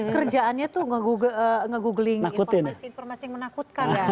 kerjaannya tuh nge googling informasi informasi yang menakutkan ya